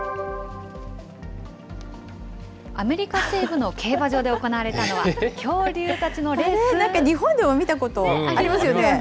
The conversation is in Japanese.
アメリカ西部の競馬場で行われたのは、なんか、日本でも見たことありますよね。